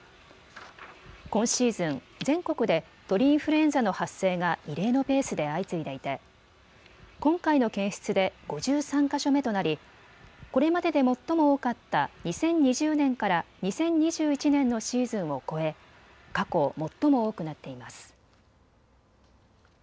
今シーズン、全国で鳥インフルエンザの発生が異例のペースで相次いでいて今回の検出で５３か所目となりこれまでで最も多かった２０２０年から２０２１年のシーズンを超え、過去、最も多くなっています。